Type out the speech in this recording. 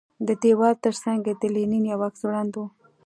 د دېوال ترڅنګ یې د لینن یو عکس ځوړند و